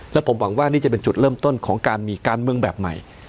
และผมหวังว่านี่จะเป็นจุดเริ่มต้นของการมีการเมืองแบบใหม่